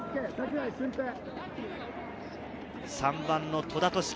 ３番の戸田宗岐。